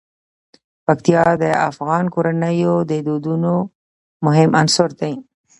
پکتیا د افغان کورنیو د دودونو مهم عنصر دی.